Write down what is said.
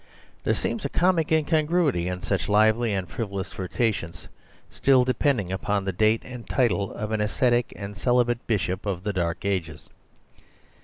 There seems a comic incongruity in such lively and frivolous flirta tions still depending on the date and title of an ascetic and celibate bishop of the Dark Ages.